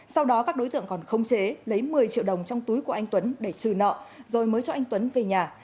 sau đó các đối tượng còn không chế lấy một mươi triệu đồng trong túi của anh tuấn để trừ nợ rồi mới cho anh tuấn về nhà